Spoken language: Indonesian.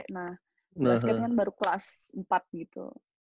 nah kelas kan kan baru kelas empat gitu